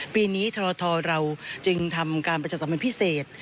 ปีนี้ทรทเราจึงทำการประจัดสรรพิเศษ